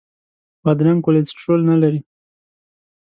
بادرنګ کولیسټرول نه لري.